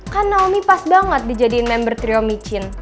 kan naomi pas banget dijadiin member trio micin